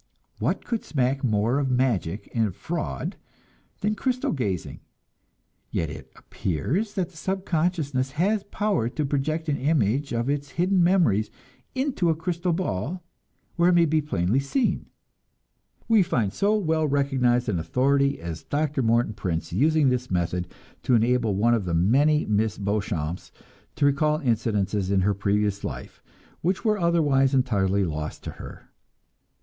What could smack more of magic and fraud than crystal gazing? Yet it appears that the subconsciousness has power to project an image of its hidden memories into a crystal ball, where it may be plainly seen. We find so well recognized an authority as Dr. Morton Prince using this method to enable one of the many Miss Beauchamps to recall incidents in her previous life which were otherwise entirely lost to her.